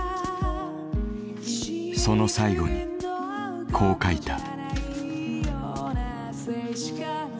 その最後にこう書いた。